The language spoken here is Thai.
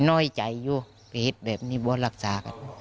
โอ้ยอยู่เผยเหตุแบบนี้เพราะรักษาการ